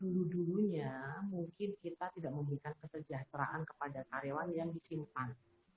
dulu dulunya mungkin kita tidak memberikan kesejahteraan kepada karyawan yang disimpan